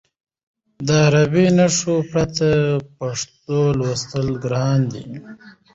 د عربي نښو پرته پښتو لوستل ګران دي.